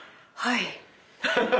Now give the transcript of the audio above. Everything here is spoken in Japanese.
はい。